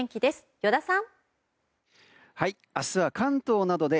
依田さん。